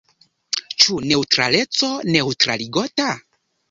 Ĉu neŭtraleco neŭtraligota?